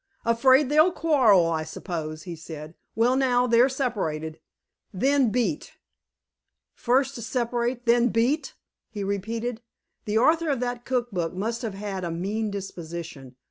"Afraid they'll quarrel, I suppose," he said. "Well, now they're separated." "Then beat." "First separate, then beat!" he repeated. "The author of that cook book must have had a mean disposition.